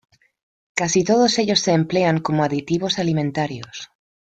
Casi todos ellos se emplean como aditivos alimentarios.